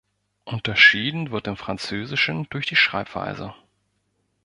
Unterschieden wird im Französischen durch die Schreibweise.